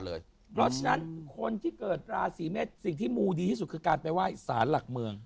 เพราะฉะนั้นคนที่เกิดราศีเมษสิ่งที่มูดีที่สุดคือการไปไหว้สารหลักเมือง